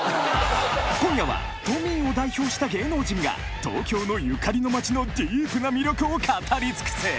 今夜は都民を代表した芸能人が東京のゆかりの街のディープな魅力を語り尽くす！